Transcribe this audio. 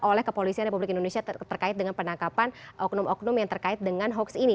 oleh kepolisian republik indonesia terkait dengan penangkapan oknum oknum yang terkait dengan hoax ini